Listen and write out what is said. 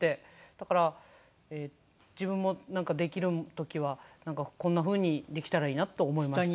だから自分もできる時はこんなふうにできたらいいなと思いました。